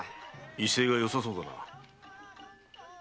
威勢がよさそうだな。